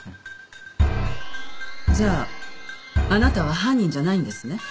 じゃああなたは犯人じゃないんですね？